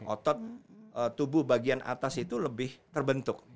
otot tubuh bagian atas itu lebih terbentuk